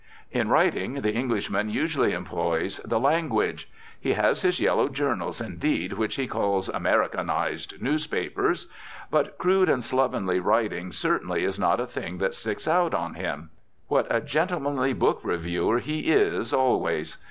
In writing, the Englishman usually employs "the language." He has his yellow journals, indeed, which he calls "Americanised" newspapers. But crude and slovenly writing certainly is not a thing that sticks out on him. What a gentlemanly book reviewer he is always!